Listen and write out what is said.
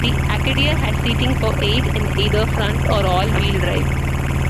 The Acadia has seating for eight and either front or all-wheel drive.